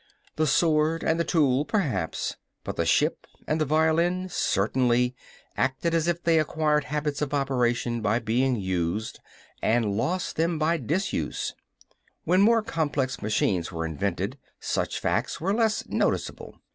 The sword and the tool perhaps, but the ship and the violin certainly, acted as if they acquired habits of operation by being used, and lost them by disuse. When more complex machines were invented, such facts were less noticeable.